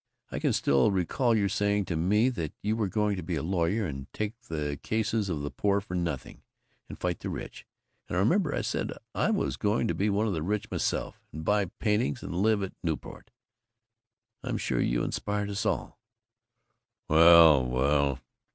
I can still recall your saying to me that you were going to be a lawyer, and take the cases of the poor for nothing, and fight the rich. And I remember I said I was going to be one of the rich myself, and buy paintings and live at Newport. I'm sure you inspired us all." "Well.... Well....